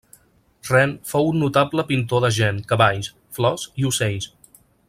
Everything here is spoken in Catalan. Ren fou un notable pintor de gent, cavalls, flors i ocells.